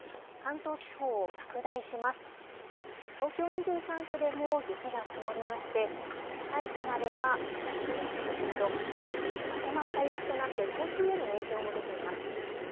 東京２３区でも雪が積もりまして、さいたまでは５センチなど、各地、まとまった雪となって、交通への影響も出ています。